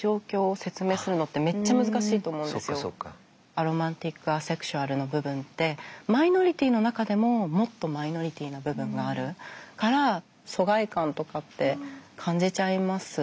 アロマンティック・アセクシュアルの部分ってマイノリティーの中でももっとマイノリティーな部分があるから疎外感とかって感じちゃいますよね。